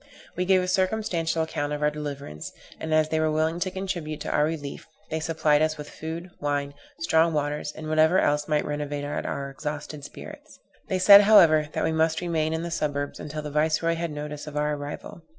We gave a circumstantial account of our deliverance; and, as they were willing to contribute to our relief, they supplied us with food, wine, strong waters, and whatever else might renovate our exhausted spirits. They said, however, that we must remain in the suburbs until the viceroy had notice of our arrival.